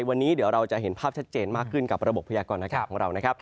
วันนี้เดี๋ยวเราจะเห็นภาพชัดเจนมากขึ้นกับระบบพยากรณากาศของเรานะครับ